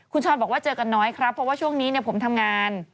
คุณช้อนบอกว่าเจอกันน้อยครับเพราะว่าช่วงนี้ผมทำงาน